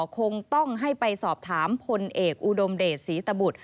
คงต้องให้ไปสอบถามพลเอกอุดมเดชศรีตบุตร